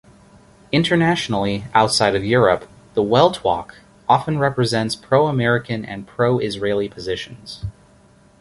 Internationally - outside of Europe - the "Weltwoche" often represents pro-American and pro-Israeli positions.